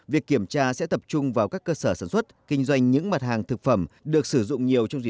việc kiểm tra sẽ tập trung vào các cơ sở sản xuất kinh doanh những mặt hàng thực phẩm được sử dụng nhiều trong dịp